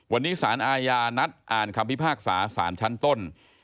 วันนี้สารอาญานัดอ่านคำพิพากษาสารชั้นต้น